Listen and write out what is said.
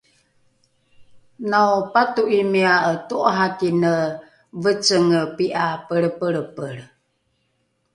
naopato’imia’e to’arakine vecenge pi’a pelrepelrepelre